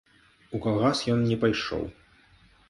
У калгас ён не пайшоў.